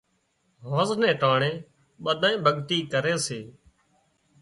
هانز نين ٽانڻي ٻڌانئين ڀڳتي ڪري سي